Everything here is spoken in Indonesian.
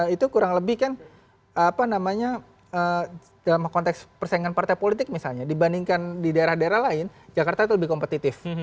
itu kurang lebih kan apa namanya dalam konteks persaingan partai politik misalnya dibandingkan di daerah daerah lain jakarta itu lebih kompetitif